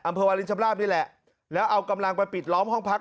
วาลินชำราบนี่แหละแล้วเอากำลังไปปิดล้อมห้องพัก